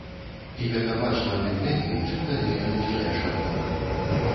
І гэта бачна тым лепей, чым далей ад'язджаеш ад мора.